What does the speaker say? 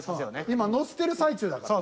今のせてる最中だから。